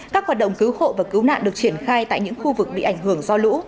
các hoạt động cứu hộ và cứu nạn được triển khai tại những khu vực bị ảnh hưởng do lũ